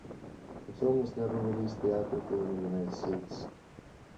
The film was never released theatrically in the United States.